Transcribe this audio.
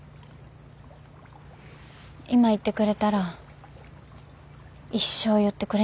今言ってくれたら一生言ってくれなくてもいい。